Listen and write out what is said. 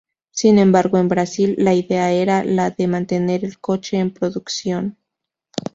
Sin embargo, en Brasil la idea era la de mantener el coche en producción.